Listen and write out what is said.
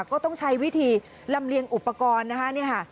ก็ต้องใช้วิธีลำเรียงอุปกรณ์นะฮะ